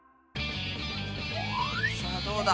さあどうだ？